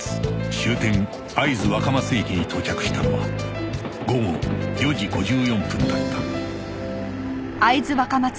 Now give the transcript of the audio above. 終点会津若松駅に到着したのは午後４時５４分だった